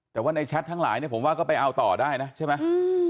แต่ว่าในแชททั้งหลายเนี่ยผมว่าก็ไปเอาต่อได้นะใช่ไหม